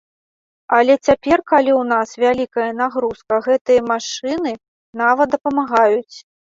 Але цяпер, калі ў нас вялікая нагрузка, гэтыя машыны нават дапамагаюць.